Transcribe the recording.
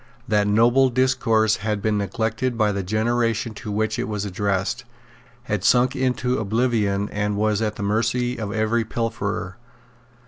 That noble discourse had been neglected by the generation to which it was addressed, had sunk into oblivion, and was at the mercy of every pilferer.